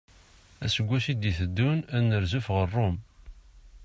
Aseggas i d-iteddun ad nerzef ɣer Rome.